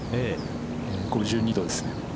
５２度ですね。